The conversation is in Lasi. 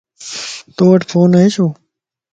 تووٽ فون ائي ڇو؟